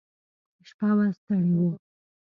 شپه وه ستړي وو.